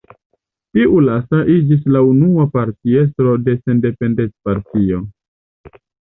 Tiu lasta iĝis la unua partiestro de Sendependecpartio.